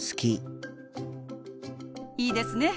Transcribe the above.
いいですね。